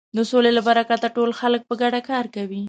د سولې له برکته ټول خلک په ګډه کار کوي.